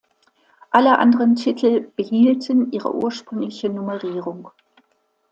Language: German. Alle anderen Titel behielten ihre ursprüngliche Nummerierung.